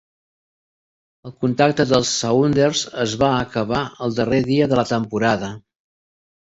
El contracte de Saunders es va acabar el darrer dia de la temporada.